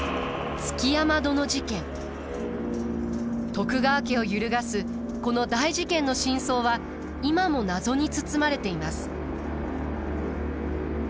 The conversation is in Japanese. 徳川家を揺るがすこの大事件の真相は今も謎に包まれています。